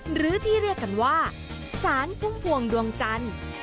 หรือที่เรียกกันว่าสารพุ่มพวงดวงจันทร์